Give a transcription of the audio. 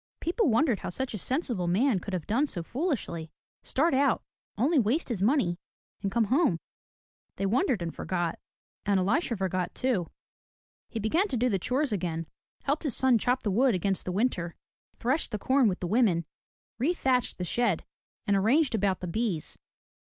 People wondered how such a sensible man could have done so foolishly, — start out, only waste his money and come home. They wondered and forgot. And Elisha forgot, too. He began to do the chores again, helped his son chop wood against the winter, threshed the com with the women, rethatched the shed, and arranged about the bees.